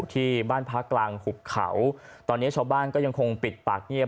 ที่บ้านพักกลางหุบเขาตอนนี้ชาวบ้านก็ยังคงปิดปากเงียบ